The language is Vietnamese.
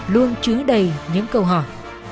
luôn chứa đầy những câu hỏi